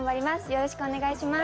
よろしくお願いします。